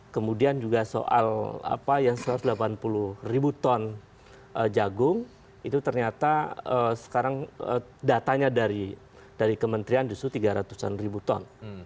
kemudian juga soal apa yang satu ratus delapan puluh ribu ton jagung itu ternyata sekarang datanya dari kementerian justru tiga ratus an ribu ton